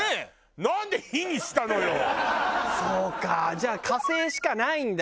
じゃあ火星しかないんだ。